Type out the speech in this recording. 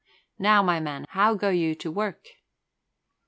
Now, my man, how go you to work?"